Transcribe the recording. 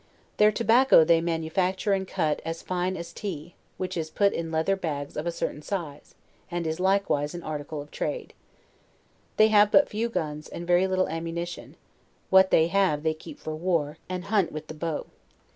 Their tobacco they manufacture and cut as fine as tea, which is put in leather bags of a certain size, and is likewise an article of trade. They have but few guns, and very lit tle ammunition; what they have they keep for war, and hunt with the bow.